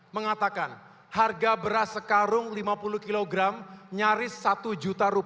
mengatakan harga beras sekarung rp lima puluh kg nyaris rp satu